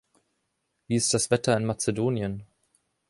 Wie ist das Wetter in Mazedonien?